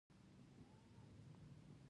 چې حالات څیړي